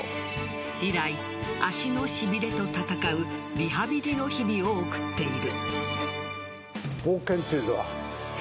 以来、足のしびれと戦うリハビリの日々を送っている。